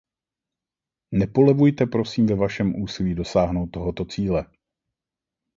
Nepolevujte prosím ve vašem úsilí dosáhnout tohoto cíle.